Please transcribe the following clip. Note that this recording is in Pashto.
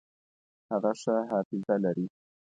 هغه ښه حافظه لري.